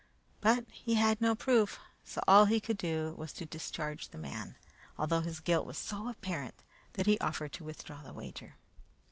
But he had no proof, so all he could do was to discharge the man, although his guilt was so apparent that he offered to withdraw the wager.